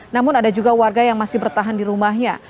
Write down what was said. namun ada juga warga yang masih bertahan di rumahnya